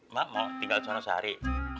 mak mau tinggal di sana sehari